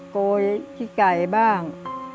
โกยขี้ไก่บ้าง